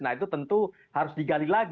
nah itu tentu harus digali lagi kan alat bukti